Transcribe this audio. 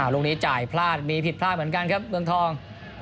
ลูกนี้จ่ายพลาดมีผิดพลาดเหมือนกันครับเมืองทอง